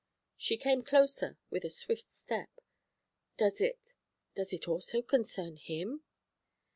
She came closer, with a swift step. 'Does it does it also concern him?'